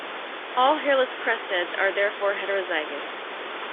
All hairless Cresteds are therefore heterozygous.